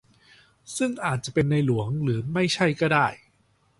ซึ่งอาจจะเป็นในหลวง หรือไม่ใช่ก็ได้